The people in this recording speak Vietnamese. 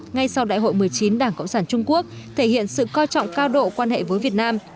ngay sau đại hội một mươi chín đảng cộng sản trung quốc thể hiện sự coi trọng cao độ quan hệ với việt nam